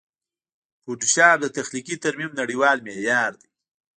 فوټوشاپ د تخلیقي ترمیم نړېوال معیار دی.